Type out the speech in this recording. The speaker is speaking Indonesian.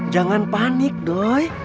jangan panik doi